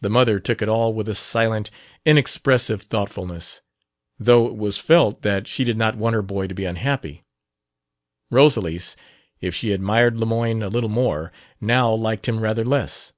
The mother took it all with a silent, inexpressive thoughtfulness, though it was felt that she did not want her boy to be unhappy. Rosalys, if she admired Lemoyne a little more, now liked him rather less.